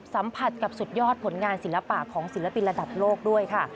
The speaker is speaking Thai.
สัมผัสกับสุดยอดผลงานศิลปะของศิลปินระดับโลกด้วยค่ะ